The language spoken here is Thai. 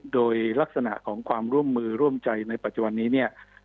โดยลักษณะของความร่วมมือร่วมใจในปัจจุบันนี้เนี่ย